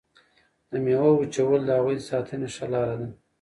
د میوو وچول د هغوی د ساتنې ښه لاره ده.